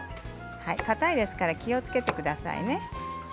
かたいですから気をつけてくださいね。